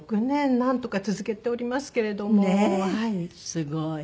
すごい。